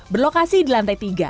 berlokasi di lantai tiga